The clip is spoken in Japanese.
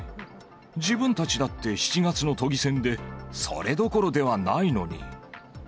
自分たちだって、７月の都議選でそれどころではないのに。